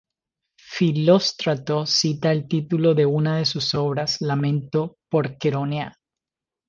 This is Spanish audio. Filóstrato cita el título de una de sus obras: "Lamento por Queronea".